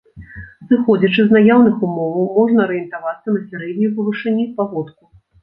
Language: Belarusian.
Зыходзячы з наяўных умоваў, можна арыентавацца на сярэднюю па вышыні паводку.